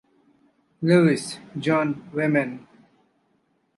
Lewis John Wayman.